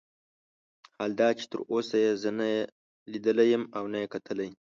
حال دا چې تر اوسه یې زه نه لیدلی یم او نه یې کتلی.